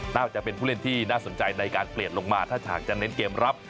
น่าจะเป็นผู้เล่นที่น่าสนใจในการเปลี่ยนลงมาถ้าฉากจะเน้นเกมรับ